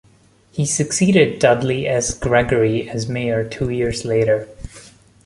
He succeeded Dudley S. Gregory as mayor two years later.